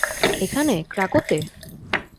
এখানে, ক্রাকোতে?